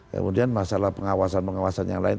kemudian masalah pengawasan pengawasan yang lain